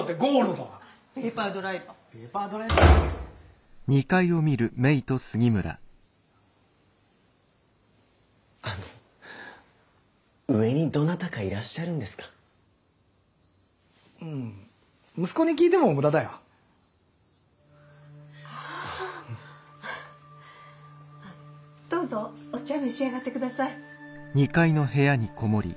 どうぞお茶召し上がってください。